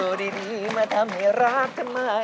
อยู่ดีมาทำให้รัก